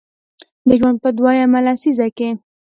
د ژوند په دویمه لسیزه کې